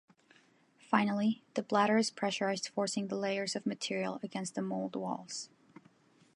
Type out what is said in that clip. Finally, the bladder is pressurized forcing the layers of material against the mould walls.